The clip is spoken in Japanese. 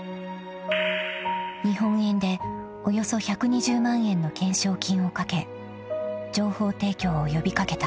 ［日本円でおよそ１２０万円の懸賞金を懸け情報提供を呼び掛けた］